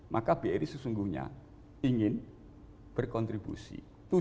maka bri sesungguhnya ingin berkontribusi